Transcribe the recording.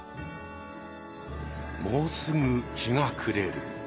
もうすぐ日が暮れる。